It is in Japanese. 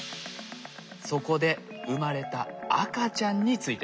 そこで生まれた赤ちゃんについてです。